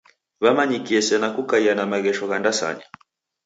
Wamanyikie sena kukaia na maghesho gha ndasanya.